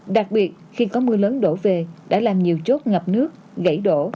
đặc biệt khi có mưa lớn đổ về đã làm nhiều chốt ngập nước gãy đổ